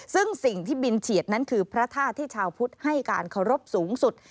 ซึ่งสิ่งที่บินเฉียดนั้นคือพระธาตุที่ชาวพุทธให้การเคารพสูงสุด